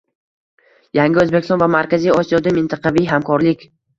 Yangi O‘zbekiston va Markaziy Osiyoda mintaqaviy hamkorlik